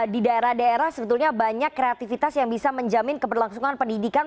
di daerah daerah sebetulnya banyak kreativitas yang bisa menjamin keberlangsungan pendidikan